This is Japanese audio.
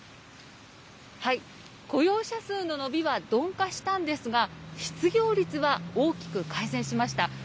雇用者数の伸びは鈍化したんですが、失業率は大きく改善しました。